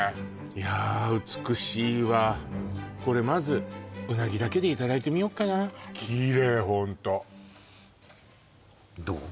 いやー美しいわこれまずうなぎだけでいただいてみよっかなキレイホントどう？